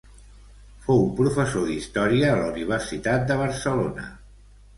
Fou professor d'història a la Universitat de Barcelona.